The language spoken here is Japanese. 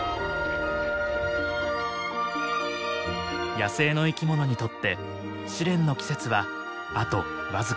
野生の生き物にとって試練の季節はあと僅かです。